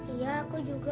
iya aku juga